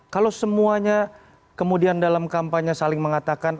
kalau semuanya kemudian dalam kampanye saling mengatakan